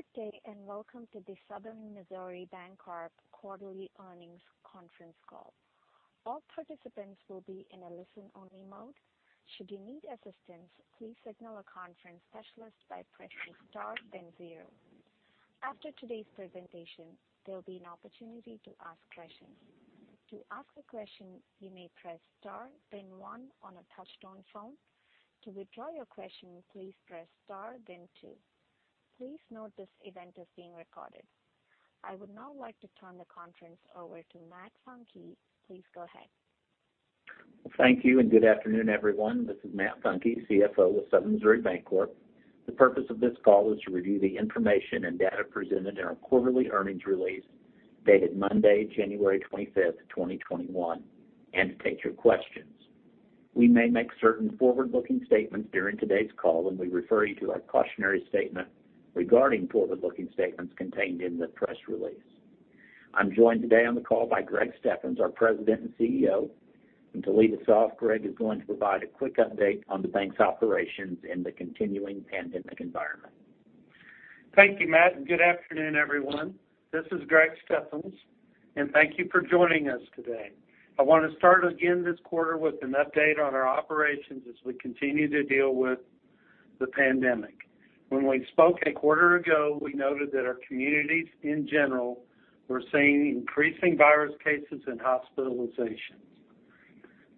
Good day, and welcome to the Southern Missouri Bancorp quarterly earnings conference call. All participants will be in a listen only mode. Should you need assistance, please signal a conference specialist by pressing star then zero. After today's presentation, there'll be an opportunity to ask questions. To ask a question, you may press star then one on a touch-tone phone. To withdraw your question, please press star then two. Please note this event is being recorded. I would now like to turn the conference over to Matt Funke. Please go ahead. Thank you, good afternoon, everyone. This is Matt Funke, CFO of Southern Missouri Bancorp. The purpose of this call is to review the information and data presented in our quarterly earnings release dated Monday, January 25th, 2021, and to take your questions. We may make certain forward-looking statements during today's call, and we refer you to our cautionary statement regarding forward-looking statements contained in the press release. I'm joined today on the call by Greg Steffens, our president and CEO, and to lead us off, Greg is going to provide a quick update on the bank's operations in the continuing pandemic environment. Thank you, Matt. Good afternoon, everyone. This is Greg Steffens. Thank you for joining us today. I want to start again this quarter with an update on our operations as we continue to deal with the pandemic. When we spoke a quarter ago, we noted that our communities, in general, were seeing increasing virus cases and hospitalizations.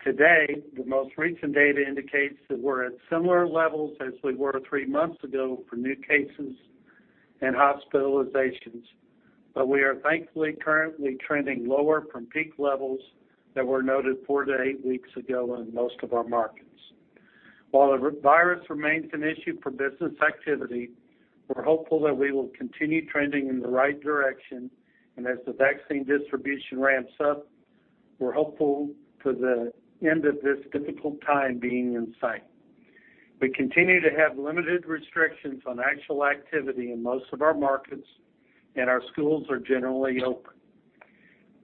Today, the most recent data indicates that we're at similar levels as we were three months ago for new cases and hospitalizations. We are thankfully currently trending lower from peak levels that were noted four to eight weeks ago in most of our markets. While the virus remains an issue for business activity, we're hopeful that we will continue trending in the right direction. As the vaccine distribution ramps up, we're hopeful for the end of this difficult time being in sight. We continue to have limited restrictions on actual activity in most of our markets, and our schools are generally open.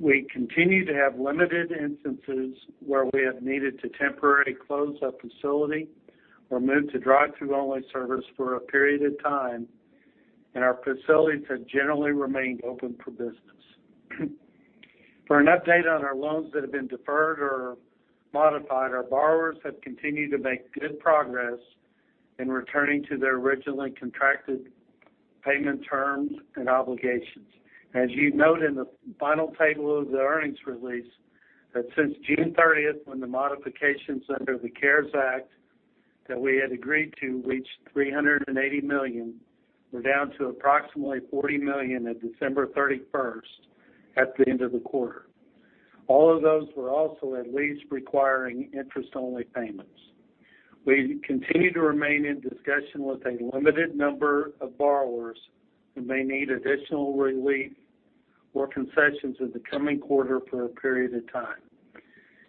We continue to have limited instances where we have needed to temporarily close a facility or move to drive-through only service for a period of time, and our facilities have generally remained open for business. For an update on our loans that have been deferred or modified, our borrowers have continued to make good progress in returning to their originally contracted payment terms and obligations. As you note in the final table of the earnings release, that since June 30th, when the modifications under the CARES Act that we had agreed to reached $380 million, we're down to approximately $40 million at December 31st at the end of the quarter. All of those were also at least requiring interest-only payments. We continue to remain in discussion with a limited number of borrowers who may need additional relief or concessions in the coming quarter for a period of time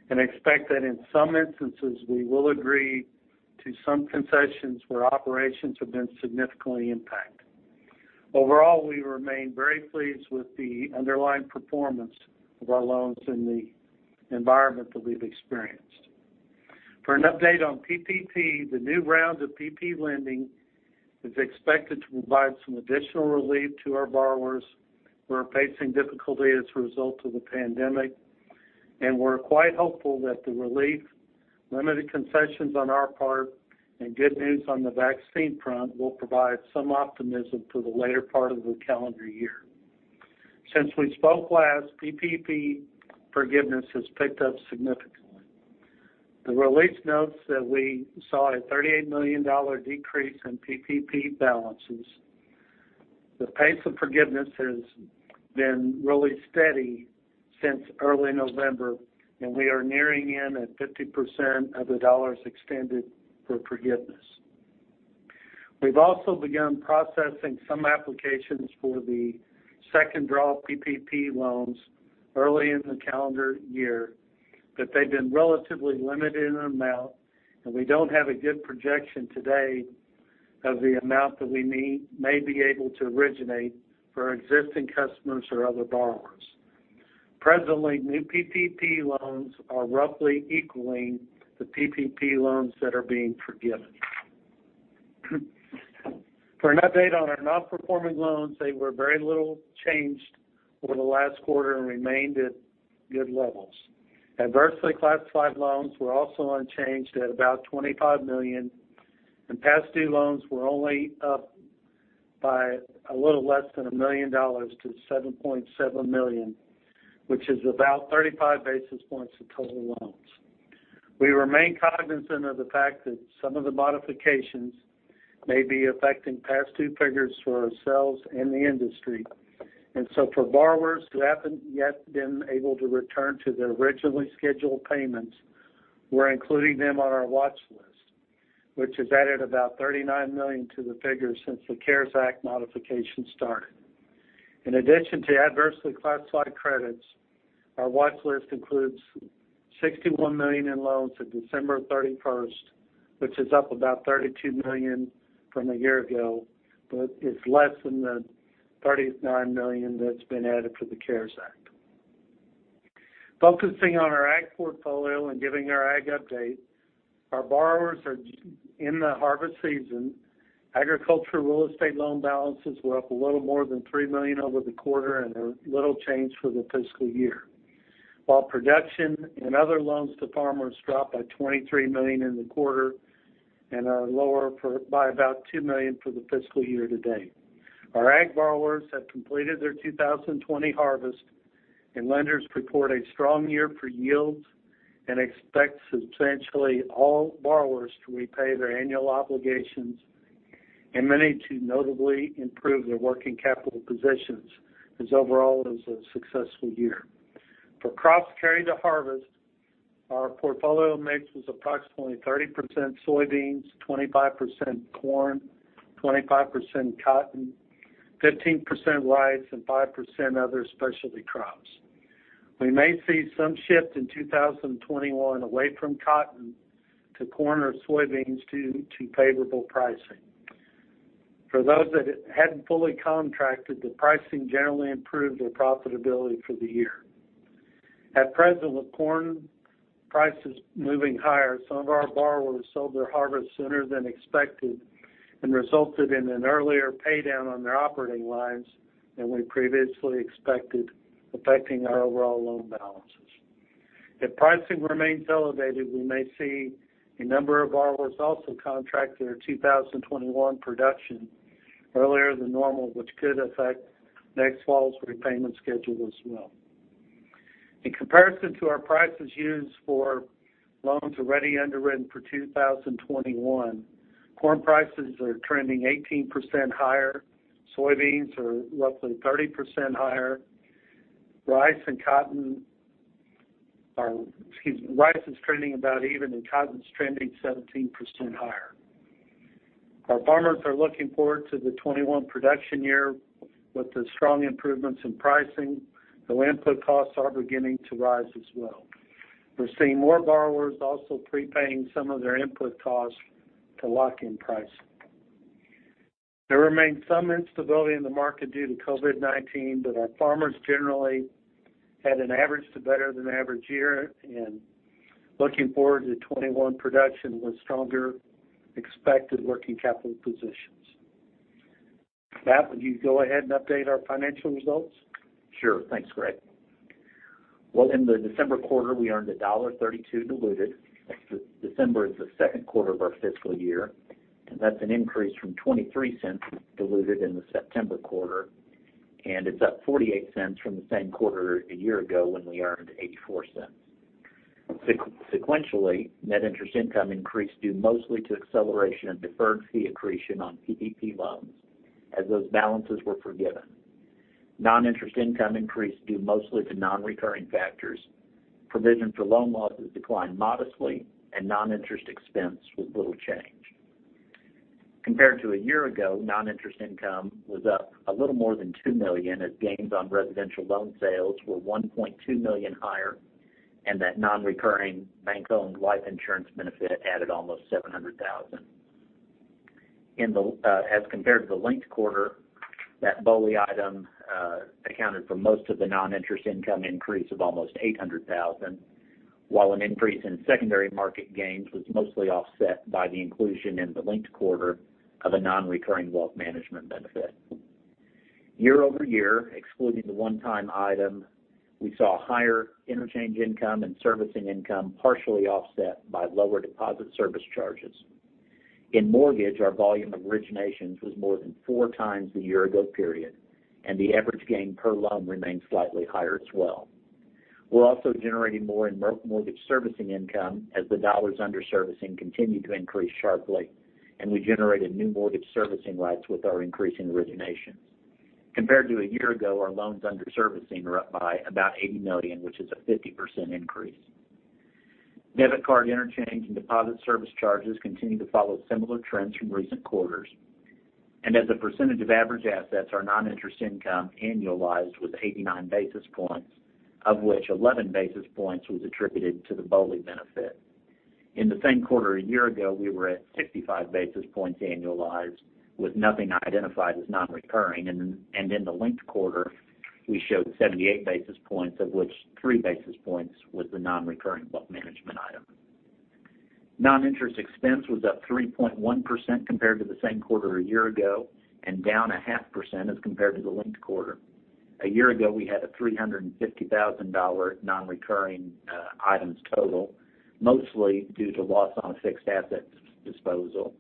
and expect that in some instances, we will agree to some concessions where operations have been significantly impacted. Overall, we remain very pleased with the underlying performance of our loans in the environment that we've experienced. For an update on PPP, the new round of PPP lending is expected to provide some additional relief to our borrowers who are facing difficulty as a result of the pandemic, and we're quite hopeful that the relief, limited concessions on our part, and good news on the vaccine front will provide some optimism for the later part of the calendar year. Since we spoke last, PPP forgiveness has picked up significantly. The release notes that we saw a $38 million decrease in PPP balances. The pace of forgiveness has been really steady since early November, and we are nearing in at 50% of the dollars extended for forgiveness. We've also begun processing some applications for the second draw PPP loans early in the calendar year, but they've been relatively limited in amount, and we don't have a good projection today of the amount that we may be able to originate for existing customers or other borrowers. Presently, new PPP loans are roughly equaling the PPP loans that are being forgiven. For an update on our non-performing loans, they were very little changed over the last quarter and remained at good levels. Adversely classified loans were also unchanged at about $25 million, and past due loans were only up by a little less than $1 million to $7.7 million, which is about 35 basis points of total loans. We remain cognizant of the fact that some of the modifications may be affecting past due figures for ourselves and the industry. For borrowers who haven't yet been able to return to their originally scheduled payments, we're including them on our watch list, which has added about $39 million to the figure since the CARES Act modification started. In addition to adversely classified credits, our watch list includes $61 million in loans at December 31st, which is up about $32 million from a year ago, but is less than the $39 million that's been added for the CARES Act. Focusing on our ag portfolio and giving our ag update, our borrowers are in the harvest season. Agriculture real estate loan balances were up a little more than $3 million over the quarter and are little changed for the fiscal year. While production and other loans to farmers dropped by $23 million in the quarter and are lower by about $2 million for the fiscal year to date. Our ag borrowers have completed their 2020 harvest, and lenders report a strong year for yields and expect substantially all borrowers to repay their annual obligations, and many to notably improve their working capital positions, as overall it was a successful year. For crops carried to harvest, our portfolio mix was approximately 30% soybeans, 25% corn, 25% cotton, 15% rice, and 5% other specialty crops. We may see some shift in 2021 away from cotton to corn or soybeans due to favorable pricing. For those that hadn't fully contracted, the pricing generally improved their profitability for the year. At present, with corn prices moving higher, some of our borrowers sold their harvest sooner than expected and resulted in an earlier paydown on their operating lines than we previously expected, affecting our overall loan balances. If pricing remains elevated, we may see a number of borrowers also contract their 2021 production earlier than normal, which could affect next fall's repayment schedule as well. In comparison to our prices used for loans already underwritten for 2021, corn prices are trending 18% higher, soybeans are roughly 30% higher. Rice is trending about even, and cotton is trending 17% higher. Our farmers are looking forward to the 2021 production year with the strong improvements in pricing, though input costs are beginning to rise as well. We're seeing more borrowers also prepaying some of their input costs to lock in pricing. There remains some instability in the market due to COVID-19. Our farmers generally had an average to better than average year and looking forward to 2021 production with stronger expected working capital positions. Matt, would you go ahead and update our financial results? Sure. Thanks, Greg. Well, in the December quarter, we earned $1.32 diluted. December is the second quarter of our fiscal year. That's an increase from $0.23 diluted in the September quarter. It's up $0.48 from the same quarter a year ago when we earned $0.84. Sequentially, net interest income increased due mostly to acceleration of deferred fee accretion on PPP loans as those balances were forgiven. Non-interest income increased due mostly to non-recurring factors. Provision for loan losses declined modestly. Non-interest expense was little changed. Compared to a year ago, non-interest income was up a little more than $2 million as gains on residential loan sales were $1.2 million higher. That non-recurring bank-owned life insurance benefit added almost $700,000. As compared to the linked quarter, that BOLI item accounted for most of the non-interest income increase of almost $800,000, while an increase in secondary market gains was mostly offset by the inclusion in the linked quarter of a non-recurring wealth management benefit. Year-over-year, excluding the one-time item, we saw higher interchange income and servicing income partially offset by lower deposit service charges. In mortgage, our volume of originations was more than 4x the year ago period, and the average gain per loan remained slightly higher as well. We're also generating more in mortgage servicing income as the dollars under servicing continue to increase sharply, and we generated new mortgage servicing rights with our increasing originations. Compared to a year ago, our loans under servicing are up by about $80 million, which is a 50% increase. Debit card interchange and deposit service charges continue to follow similar trends from recent quarters. As a percentage of average assets, our non-interest income annualized was 89 basis points, of which 11 basis points was attributed to the BOLI benefit. In the same quarter a year ago, we were at 65 basis points annualized, with nothing identified as non-recurring, and in the linked quarter, we showed 78 basis points, of which 3 basis points was the non-recurring wealth management item. Non-interest expense was up 3.1% compared to the same quarter a year ago and down 0.5% as compared to the linked quarter. A year ago, we had a $350,000 non-recurring items total, mostly due to loss on a fixed asset disposal.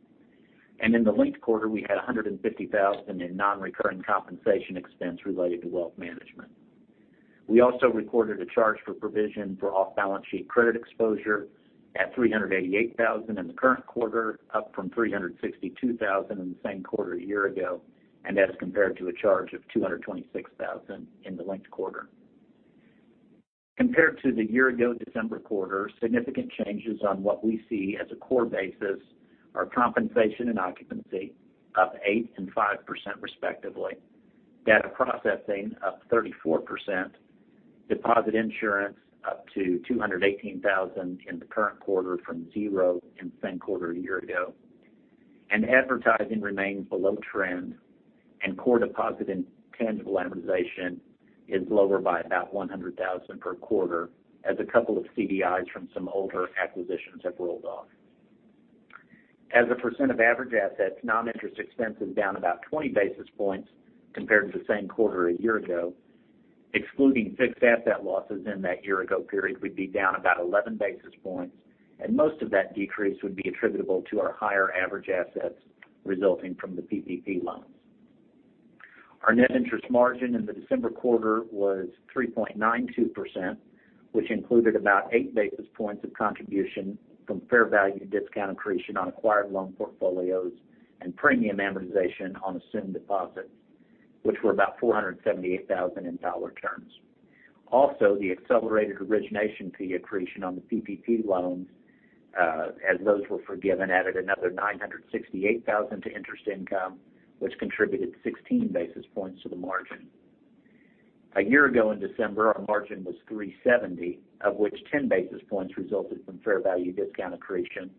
In the linked quarter, we had $150,000 in non-recurring compensation expense related to wealth management. We also recorded a charge for provision for off-balance sheet credit exposure at $388,000 in the current quarter, up from $362,000 in the same quarter a year ago, and as compared to a charge of $226,000 in the linked quarter. Compared to the year-ago December quarter, significant changes on what we see as a core basis are compensation and occupancy, up 8% and 5% respectively, data processing up 34%, deposit insurance up to $218,000 in the current quarter from zero in the same quarter a year ago. Advertising remains below trend, and core deposit intangible amortization is lower by about $100,000 per quarter as a couple of CDIs from some older acquisitions have rolled off. As a percent of average assets, non-interest expense is down about 20 basis points compared to the same quarter a year ago. Excluding fixed asset losses in that year-ago period, we'd be down about 11 basis points, and most of that decrease would be attributable to our higher average assets resulting from the PPP loans. Our net interest margin in the December quarter was 3.92%, which included about eight basis points of contribution from fair value discount accretion on acquired loan portfolios and premium amortization on assumed deposits, which were about $478,000. The accelerated origination fee accretion on the PPP loans, as those were forgiven, added another $968,000 to interest income, which contributed 16 basis points to the margin. A year ago in December, our margin was 3.70%, of which 10 basis points resulted from fair value discount accretion,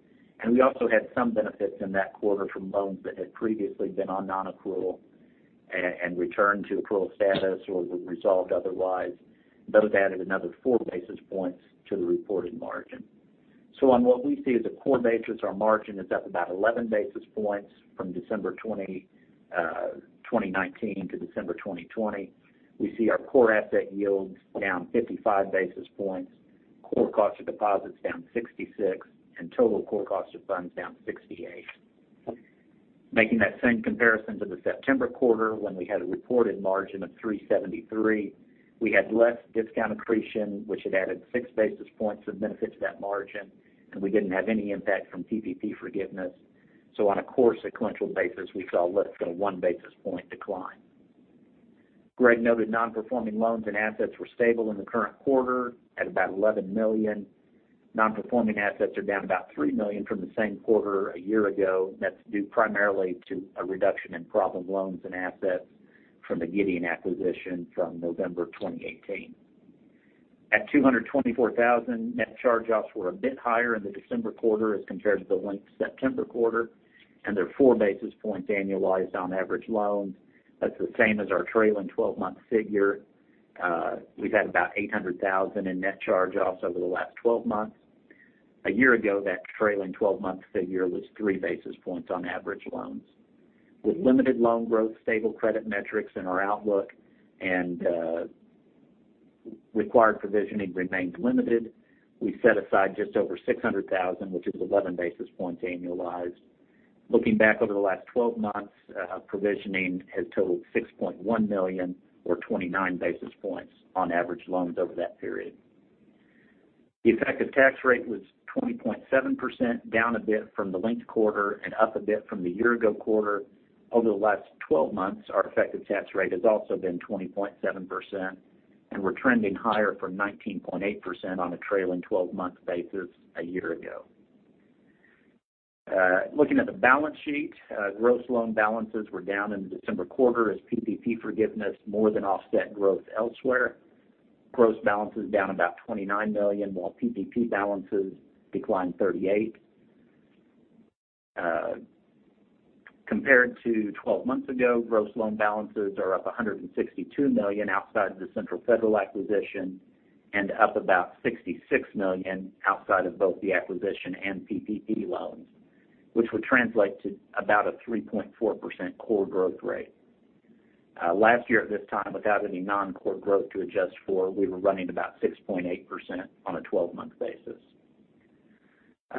and we also had some benefits in that quarter from loans that had previously been on non-accrual and returned to accrual status or were resolved otherwise. Those added another 4 basis points to the reported margin. On what we see as a core basis, our margin is up about 11 basis points from December 2019 to December 2020. We see our core asset yields down 55 basis points, core cost of deposits down 66 basis points, and total core cost of funds down 68 basis points. Making that same comparison to the September quarter, when we had a reported margin of 373, we had less discount accretion, which had added 6 basis points of benefit to that margin, and we didn't have any impact from PPP forgiveness. On a core sequential basis, we saw less than a 1 basis point decline. Greg noted non-performing loans and assets were stable in the current quarter at about $11 million. Non-performing assets are down about $3 million from the same quarter a year ago. That's due primarily to a reduction in problem loans and assets from the Gideon acquisition from November 2018. At $224,000, net charge-offs were a bit higher in the December quarter as compared to the linked September quarter, and they're 4 basis points annualized on average loans. That's the same as our trailing 12-month figure. We've had about $800,000 in net charge-offs over the last 12 months. A year ago, that trailing 12-month figure was 3 basis points on average loans. With limited loan growth, stable credit metrics in our outlook, and required provisioning remained limited, we set aside just over $600,000, which is 11 basis points annualized. Looking back over the last 12 months, provisioning has totaled $6.1 million or 29 basis points on average loans over that period. The effective tax rate was 20.7%, down a bit from the linked quarter and up a bit from the year-ago quarter. Over the last 12 months, our effective tax rate has also been 20.7%, and we're trending higher from 19.8% on a trailing 12-month basis a year ago. Looking at the balance sheet, gross loan balances were down in the December quarter as PPP forgiveness more than offset growth elsewhere. Gross balance is down about $29 million, while PPP balances declined $38 million. Compared to 12 months ago, gross loan balances are up $162 million outside of the Central Federal acquisition and up about $66 million outside of both the acquisition and PPP loans, which would translate to about a 3.4% core growth rate. Last year at this time, without any non-core growth to adjust for, we were running about 6.8% on a 12-month basis.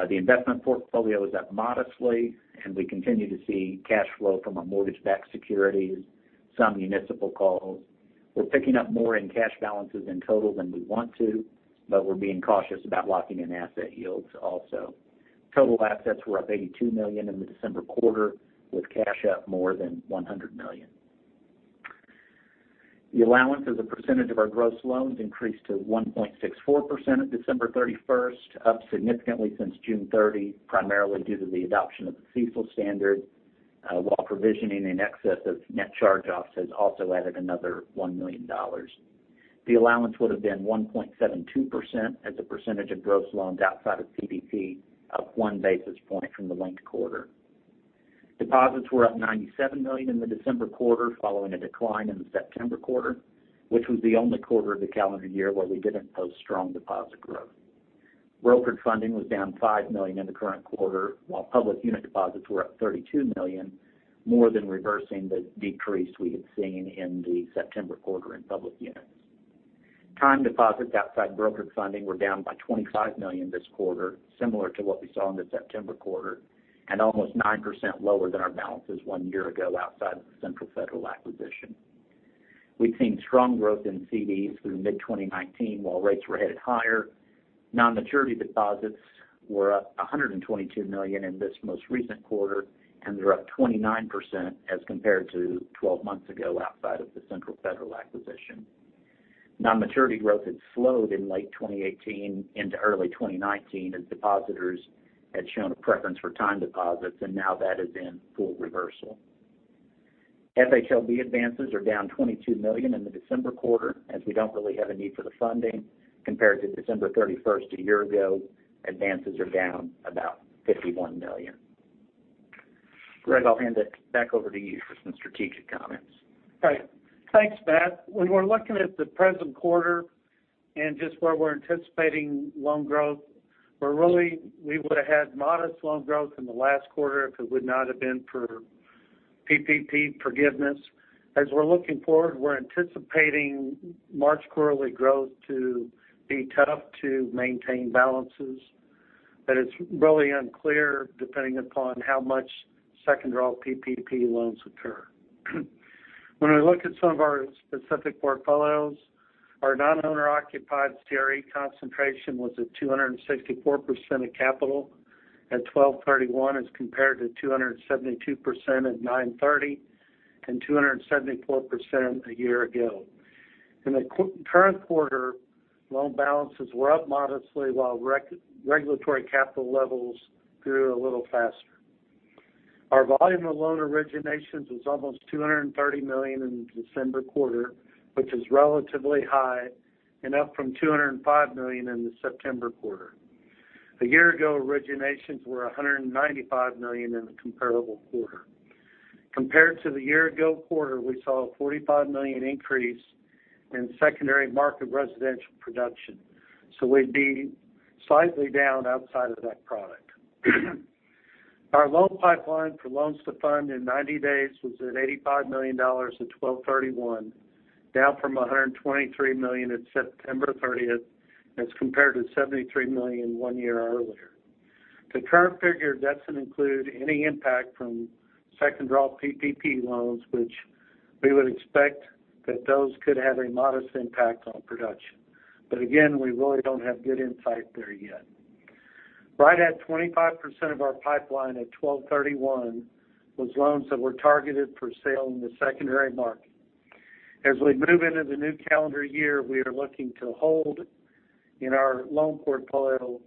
The investment portfolio is up modestly, and we continue to see cash flow from our mortgage-backed securities, some municipal calls. We're picking up more in cash balances in total than we want to, but we're being cautious about locking in asset yields also. Total assets were up $82 million in the December quarter, with cash up more than $100 million. The allowance as a percentage of our gross loans increased to 1.64% at December 31st, up significantly since June 30, primarily due to the adoption of the CECL standard, while provisioning in excess of net charge-offs has also added another $1 million. The allowance would have been 1.72% as a percentage of gross loans outside of PPP, up one basis point from the linked quarter. Deposits were up $97 million in the December quarter following a decline in the September quarter, which was the only quarter of the calendar year where we didn't post strong deposit growth. Brokered funding was down $5 million in the current quarter, while public unit deposits were up $32 million, more than reversing the decrease we had seen in the September quarter in public units. Time deposits outside brokered funding were down by $25 million this quarter, similar to what we saw in the September quarter, and almost 9% lower than our balances one year ago outside of the Central Federal acquisition. We'd seen strong growth in CDs through mid-2019 while rates were headed higher. Non-maturity deposits were up $122 million in this most recent quarter, and they're up 29% as compared to 12 months ago outside of the Central Federal acquisition. Non-maturity growth had slowed in late 2018 into early 2019 as depositors had shown a preference for time deposits. Now that has been in full reversal. FHLB advances are down $22 million in the December quarter, as we don't really have a need for the funding. Compared to December 31st a year ago, advances are down about $51 million. Greg, I'll hand it back over to you for some strategic comments. All right. Thanks, Matt. When we're looking at the present quarter and just where we're anticipating loan growth, we would've had modest loan growth in the last quarter if it would not have been for PPP forgiveness. As we're looking forward, we're anticipating March quarterly growth to be tough to maintain balances, but it's really unclear depending upon how much second draw PPP loans occur. When we look at some of our specific portfolios, our non-owner occupied CRE concentration was at 264% of capital at 12/31 as compared to 272% at 9/30, and 274% a year ago. In the current quarter, loan balances were up modestly while regulatory capital levels grew a little faster. Our volume of loan originations was almost $230 million in the December quarter, which is relatively high and up from $205 million in the September quarter. A year ago, originations were $195 million in the comparable quarter. Compared to the year-ago quarter, we saw a $45 million increase in secondary market residential production. We'd be slightly down outside of that product. Our loan pipeline for loans to fund in 90 days was at $85 million at 12/31, down from $123 million at September 30th as compared to $73 million one year earlier. The current figure doesn't include any impact from second draw PPP loans, which we would expect that those could have a modest impact on production. Again, we really don't have good insight there yet. Right at 25% of our pipeline at 12/31 was loans that were targeted for sale in the secondary market. As we move into the new calendar year, we are looking to hold in our loan portfolio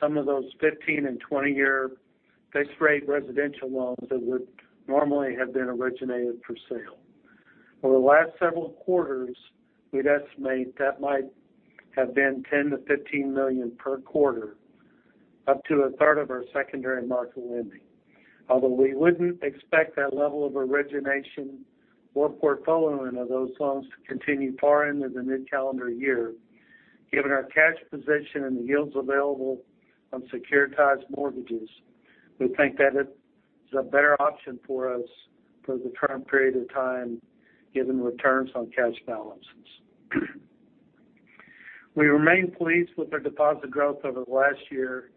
some of those 15 and 20-year fixed rate residential loans that would normally have been originated for sale. Over the last several quarters, we'd estimate that might have been $10 million-$15 million per quarter, up to a third of our secondary market lending. Although we wouldn't expect that level of origination or portfolio of those loans to continue far into the new calendar year, given our cash position and the yields available on securitized mortgages, we think that it is a better option for us for the current period of time, given returns on cash balances. We remain pleased with our deposit growth over the last year,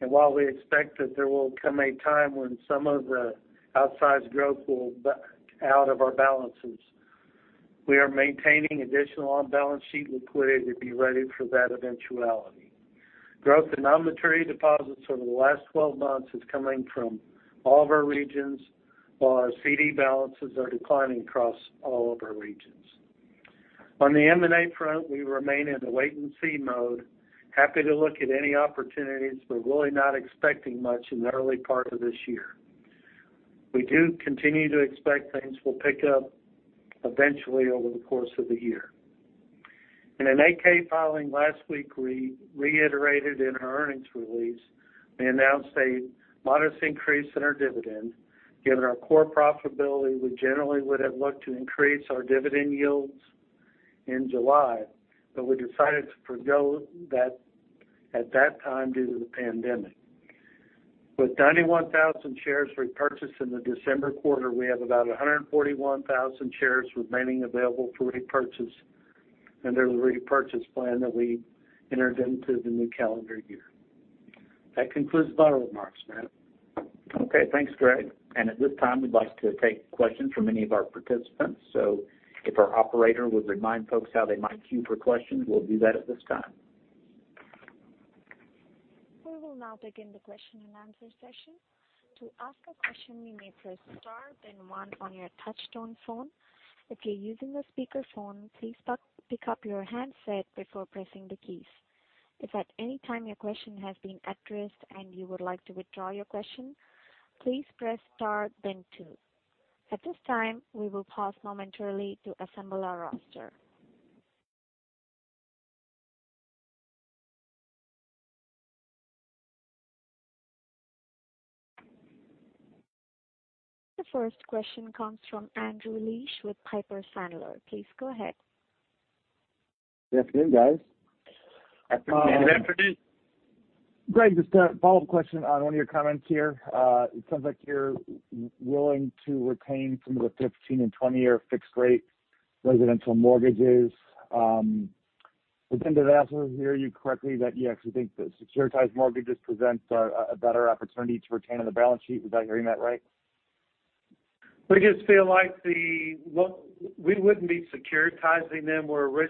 and while we expect that there will come a time when some of the outsized growth will back out of our balances, we are maintaining additional on-balance sheet liquidity to be ready for that eventuality. Growth in non-maturity deposits over the last 12 months is coming from all of our regions, while our CD balances are declining across all of our regions. On the M&A front, we remain in a wait-and-see mode, happy to look at any opportunities, but really not expecting much in the early part of this year. We do continue to expect things will pick up eventually over the course of the year. In an 8-K filing last week, we reiterated in our earnings release, we announced a modest increase in our dividend. Given our core profitability, we generally would have looked to increase our dividend yields in July, but we decided to forego that at that time due to the pandemic. With 91,000 shares repurchased in the December quarter, we have about 141,000 shares remaining available for repurchase under the repurchase plan that we entered into the new calendar year. That concludes my remarks, Matt. Okay, thanks, Greg. At this time, we'd like to take questions from any of our participants. If our operator would remind folks how they might queue for questions, we'll do that at this time. We will now begin the question and answer session. To ask a question, you may press star then one on your touchtone phone. If you are using a speakerphone, please pick up your handset before pressing the keys. If at any time your question has been addressed, and you would like to withdraw your question, please press star then two. At this time, we will pause momentarily to assemble our roster. The first question comes from Andrew Liesch with Piper Sandler. Please go ahead. Good afternoon, guys. Good afternoon. Good afternoon. Greg, just a follow-up question on one of your comments here. It sounds like you're willing to retain some of the 15 and 20-year fixed rate residential mortgages. Did I also hear you correctly that you actually think that securitized mortgages present a better opportunity to retain on the balance sheet? Was I hearing that right? We just feel like we wouldn't be securitizing them. Right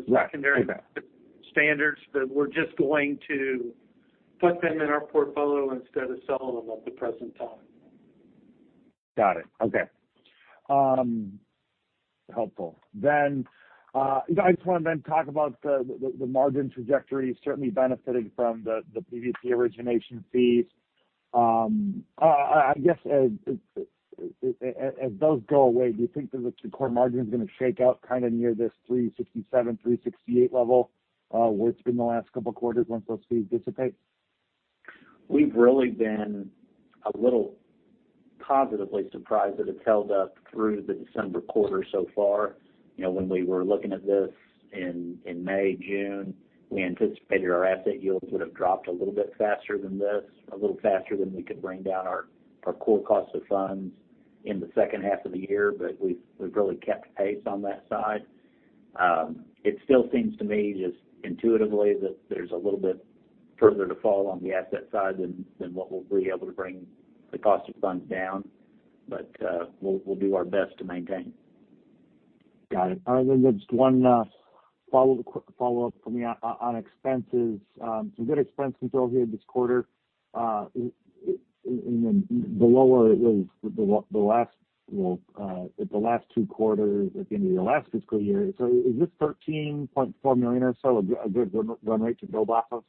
secondary standards, but we're just going to put them in our portfolio instead of selling them at the present time. Got it. Okay. Helpful. I just want to then talk about the margin trajectory certainly benefiting from the previous year origination fees. I guess as those go away, do you think that the core margin's going to shake out near this 3.67%, 3.68% level where it's been the last couple of quarters once those fees dissipate? We've really been a little positively surprised that it's held up through the December quarter so far. When we were looking at this in May, June, we anticipated our asset yields would've dropped a little bit faster than this, a little faster than we could bring down our core cost of funds in the second half of the year. We've really kept pace on that side. It still seems to me, just intuitively, that there's a little bit further to fall on the asset side than what we'll be able to bring the cost of funds down. We'll do our best to maintain. Got it. Just one follow-up from me on expenses. Some good expense control here this quarter. The lower it was the last two quarters at the end of the last fiscal year. Is this $13.4 million or so a good run rate to build off of?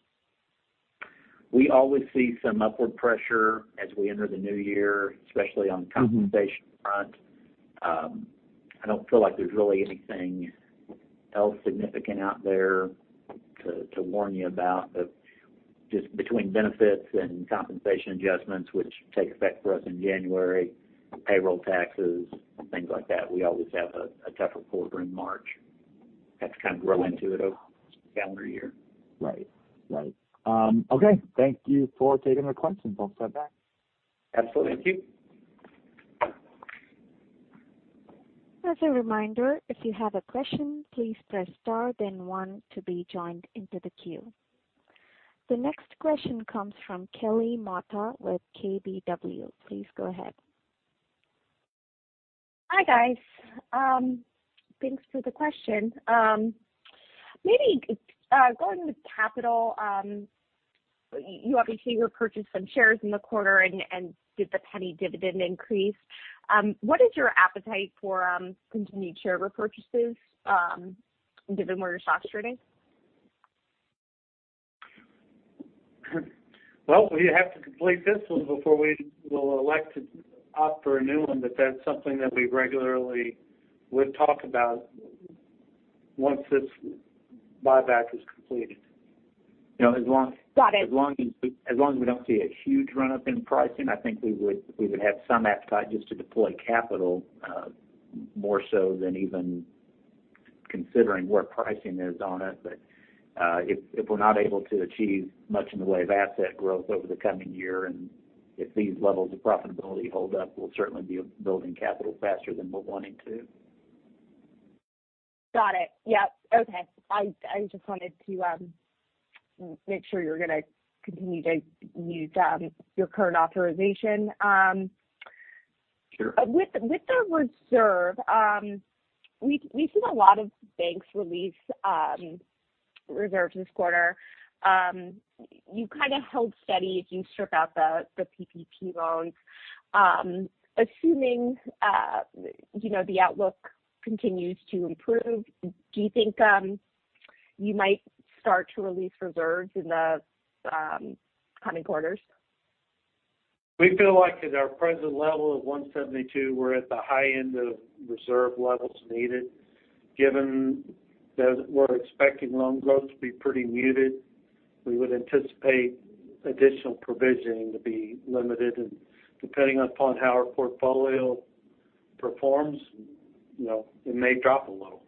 We always see some upward pressure as we enter the new year, especially on the compensation front. I don't feel like there's really anything else significant out there to warn you about. Just between benefits and compensation adjustments, which take effect for us in January, payroll taxes, and things like that, we always have a tougher quarter in March. That's kind of counterintuitive calendar year. Right. Okay. Thank you for taking the questions. I'll step back. Absolutely. Thank you. As a reminder, if you have a question, please press star, then one to be joined into the queue. The next question comes from Kelly Motta with KBW. Please go ahead. Hi, guys. Thanks for the question. Maybe going with capital, you obviously repurchased some shares in the quarter and did the $0.01 dividend increase. What is your appetite for continued share repurchases given where your stock's trading? We have to complete this one before we will elect to opt for a new one. That's something that we regularly would talk about once this buyback is completed. Got it. As long as we don't see a huge run-up in pricing, I think we would have some appetite just to deploy capital, more so than even considering where pricing is on it. If we're not able to achieve much in the way of asset growth over the coming year, and if these levels of profitability hold up, we'll certainly be building capital faster than we're wanting to. Got it. Yep. Okay. I just wanted to make sure you're going to continue to use your current authorization. Sure. With the reserve, we've seen a lot of banks release reserves this quarter. You kind of held steady as you strip out the PPP loans. Assuming the outlook continues to improve, do you think you might start to release reserves in the coming quarters? We feel like at our present level of 172, we're at the high end of reserve levels needed. Given that we're expecting loan growth to be pretty muted, we would anticipate additional provisioning to be limited, and depending upon how our portfolio performs, it may drop a little.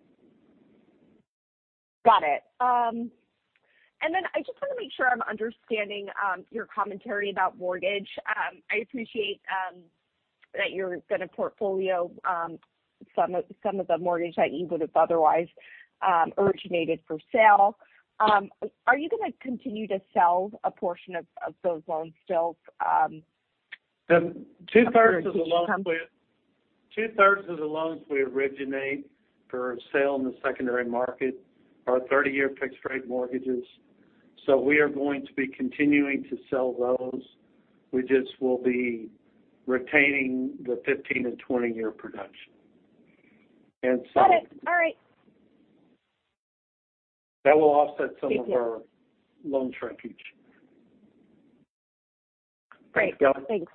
Got it. I just want to make sure I'm understanding your commentary about mortgage. I appreciate that you're going to portfolio some of the mortgage that you would've otherwise originated for sale. Are you going to continue to sell a portion of those loans still? Two-thirds of the loans we originate for sale in the secondary market are 30-year fixed rate mortgages. We are going to be continuing to sell those. We just will be retaining the 15 and 20-year production. Got it. All right. That will offset some of our loan shrinkage. Great. Yeah. Thanks.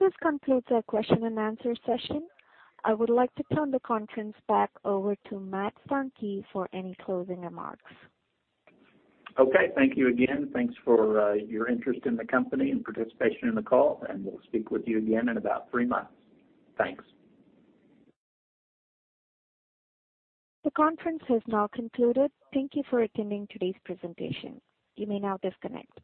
This concludes our question and answer session. I would like to turn the conference back over to Matt Funke for any closing remarks. Okay. Thank you again. Thanks for your interest in the company and participation in the call, and we'll speak with you again in about three months. Thanks. The conference has now concluded. Thank you for attending today's presentation. You may now disconnect.